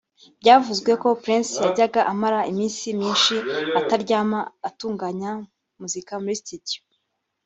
byavuzwe ko Prince yajyaga amara iminsi myinshi ataryama atunganya muzika muri studio